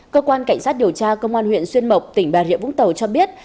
cơ quan cảnh sát điều tra công an huyện xuyên mộc tỉnh bà rịa vũng tàu cho biết